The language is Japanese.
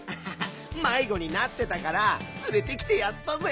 まいごになってたからつれてきてやったぜ。